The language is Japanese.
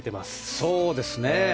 そうですね。